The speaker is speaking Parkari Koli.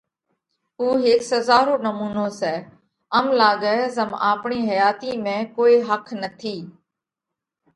اُو هيڪ سزا رو نمُونو سئہ۔ ام لاڳئه زم آپڻِي حياتِي ۾ ڪوئي ۿک نٿِي۔